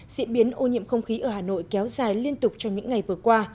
diễn biến ô nhiễm không khí ở hà nội kéo dài liên tục trong những ngày vừa qua